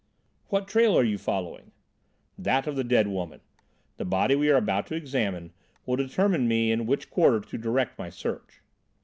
"What trail are you following?" "That of the dead woman. The body we are about to examine will determine me in which quarter to direct my search."